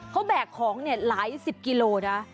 เขาแบกของหลายสิบกิโลนะ